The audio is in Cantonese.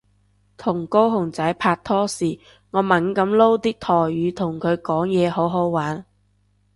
同高雄仔拍拖時我猛噉撈啲台語同佢講嘢好好玩